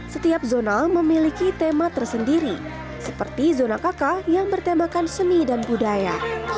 setiap zona memiliki tema tersendiri seperti zona kk yang bertemakan seni dan budaya